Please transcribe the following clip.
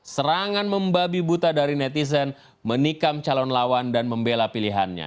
serangan membabi buta dari netizen menikam calon lawan dan membela pilihannya